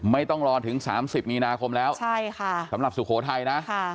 ไม่ต้องรอถึง๓๐มีนาคมแล้วใช่ค่ะสำหรับสุโขทัยนะ